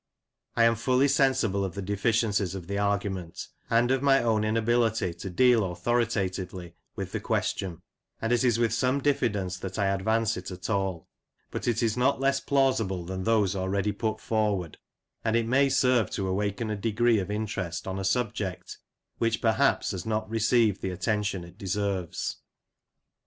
I am fully sensible of the deficiencies of the argument, and of my own inability to deal authoritatively with the question, and it is with some diffidence that I advance it at all; but it is not less plausible than those already put forward, and it may serve to awaken a degree of interest on a subject which, perhaps, has not received the attention it deserves.